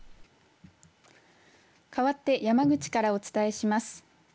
かわって山口からお伝えします。